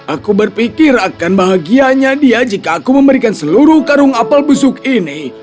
aku berpikir akan bahagianya dia jika aku memberikan seluruh karung apel busuk ini